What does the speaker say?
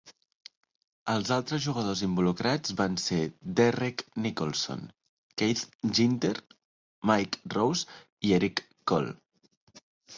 Els altres jugadors involucrats van ser Derrek Nicholson, Keith Ginter, Mike Rose i Eric Cole.